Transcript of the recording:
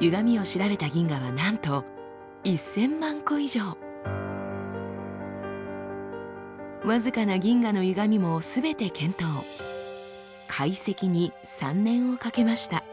ゆがみを調べた銀河はなんと僅かな銀河のゆがみもすべて検討解析に３年をかけました。